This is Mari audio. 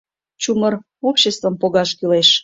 — Чумыр обчествым погаш кӱлеш!